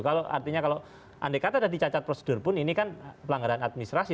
kalau artinya kalau andai kata tadi cacat prosedur pun ini kan pelanggaran administrasi